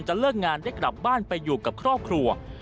เลิกงานได้กลับบ้านไปอยู่กับครอบครัว